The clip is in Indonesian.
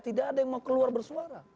tidak ada yang mau keluar bersuara